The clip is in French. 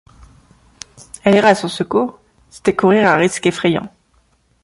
Aller à son secours, c’était courir un risque effrayant.